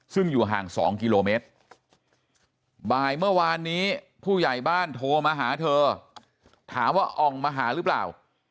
ซึ่งอยู่ห่าง๒กิโลเมตรบ่ายเมื่อวานนี้ผู้ใหญ่บ้านโทรมาหาเธอถามว่าอ่องมาหาหรือเปล่า